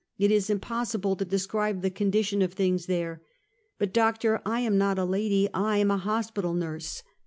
It is imj)ossi ble to describe the condition of things there." " But, Doctor, I am not a lady ! I am a hospital nurse.